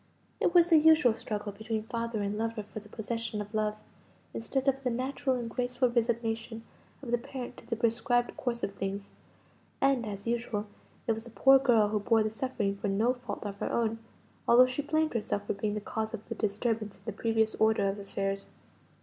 It was the usual struggle between father and lover for the possession of love, instead of the natural and graceful resignation of the parent to the prescribed course of things; and, as usual, it was the poor girl who bore the suffering for no fault of her own: although she blamed herself for being the cause of the disturbance in the previous order of affairs.